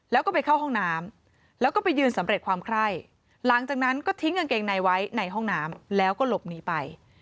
แล้วก็ไปเข้าห้องน้ำ